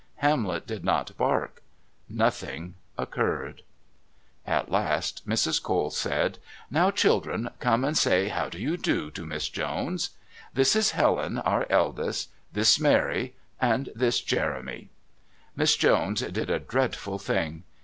Hamlet did not bark nothing occurred. At last Mrs. Cole said: "Now, children, come and say, 'How do you do?' to Miss Jones. This is Helen, our eldest this Mary and this Jeremy." Miss Jones did a dreadful thing.